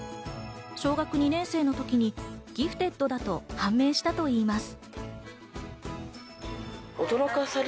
小学２年生のときにギフテッドだと判明したといいます。